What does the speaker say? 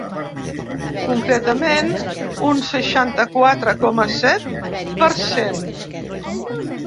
Concretament, un seixanta-quatre coma set per cent.